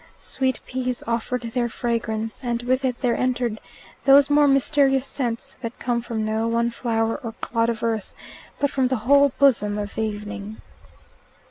Sweet peas offered their fragrance, and with it there entered those more mysterious scents that come from no one flower or clod of earth, but from the whole bosom of evening.